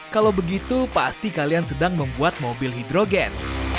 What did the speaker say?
kalau begitu pasti kalian sedang membuat mobil hidrogen